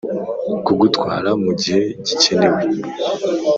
kugutwara mugihe gikenewe.